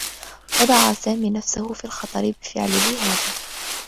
وضع سامي نفسه في الخطر بفعله هذا.